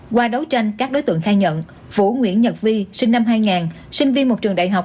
qua đấu tranh các đối tượng khai nhận phủ nguyễn nhật vi sinh năm hai sinh viên một trường đại học